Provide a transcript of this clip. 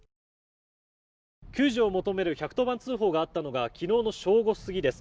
救助を求める１１０番通報があったのが昨日の正午過ぎです。